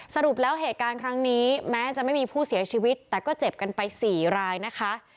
สรุปแล้วเหตุการณ์ครั้งนี้แม้จะไม่มีผู้เสียชีวิตแต่ก็เจ็บกันไป๔รายนะคะ